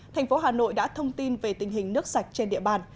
thành phố hà nội đã thông tin về tình hình nước sạch trên địa bàn